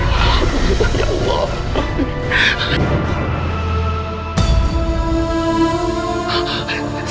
bukan bukan bukan